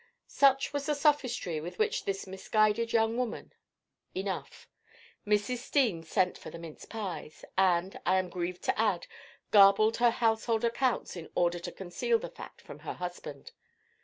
Such was the sophistry with which this misguided young woman—enough. Mrs. Steene sent for the mince pies, and, I am grieved to add, garbled her household accounts in order to conceal the fact from her husband.